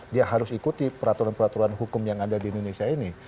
dia harus ikuti peraturan peraturan hukum yang ada di indonesia ini